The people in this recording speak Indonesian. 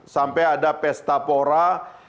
sampai ada pestapora